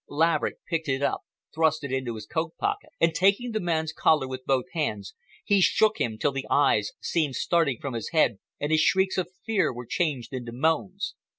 Laverick picked it up, thrust it into his coat pocket and, taking the man's collar with both hands, he shook him till the eyes seemed starting from his head and his shrieks of fear were changed into moans.